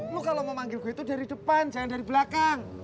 lo kalau mau manggil gue itu dari depan jangan dari belakang